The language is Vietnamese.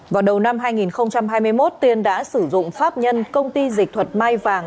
vào đầu năm hai nghìn hai mươi một tiên đã sử dụng pháp nhân công ty dịch thuật mai vàng